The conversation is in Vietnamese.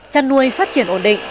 chăn nuôi phát triển ổn định